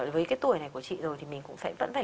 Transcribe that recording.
với cái tuổi này của chị rồi thì mình cũng sẽ vẫn phải